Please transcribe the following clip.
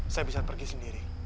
saya bisa pergi sendiri